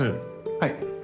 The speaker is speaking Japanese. はい。